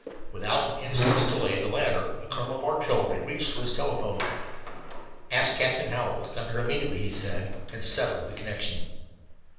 Without an instant's delay the latter, a colonel of artillery, reached for his telephone. "Ask Captain Hallowell to come here immediately," he said, and severed the connection.